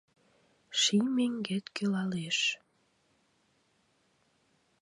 Ший меҥгет кӱлалеш.